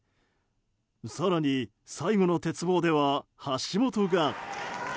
更に、最後の鉄棒では橋本が。